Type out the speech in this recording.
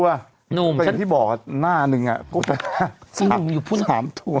ผมแบทที่บอกกับหน้าหนึ่งลากลดไป๓ตัว